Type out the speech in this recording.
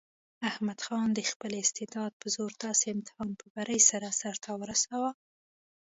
احمد خان د خپل استعداد په زور داسې امتحان په بري سره سرته ورساوه.